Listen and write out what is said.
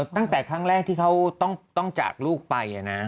ตั้งแต่ครั้งแรกที่เขาต้องจากลูกไป